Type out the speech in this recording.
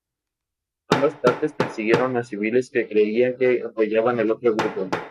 Ambas partes persiguieron a civiles que creían que apoyaban al otro grupo.